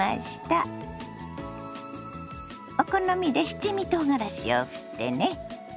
お好みで七味とうがらしをふってね。